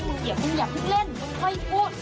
มึงอย่าพึ่งเล่นก็จ้อยพูด